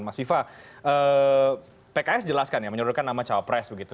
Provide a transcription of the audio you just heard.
mas ifah pks jelaskan ya menyebutkan nama cawapres begitu